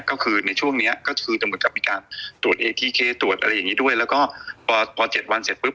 ก็คือในช่วงนี้ก็คือจะเหมือนกับมีการตรวจเอทีเคตรวจอะไรอย่างนี้ด้วยแล้วก็พอพอเจ็ดวันเสร็จปุ๊บ